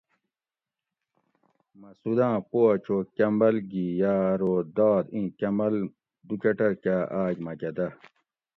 "مسعوداۤں پو اۤ چو کمبل گی یاۤ ارو "" داد اِیں کمبل دُو کٹر کاۤ آک مکہ دہ"""